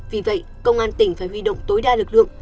vì vậy công an tỉnh phải huy động tối đa lực lượng